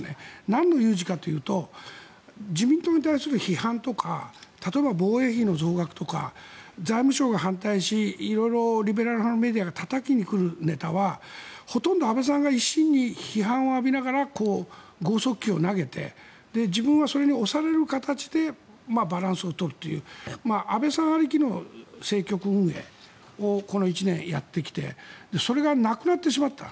何の有事かというと自民党に対する批判とか例えば防衛費の増額とか財務省が反対し色々リベラル派のメディアがたたきに来るネタはほとんど安倍さんが一心に批判を浴びながら剛速球を投げて自分はそれに押される形でバランスを取るという安倍さんありきの政局運営をこの１年やってきてそれが亡くなってしまった。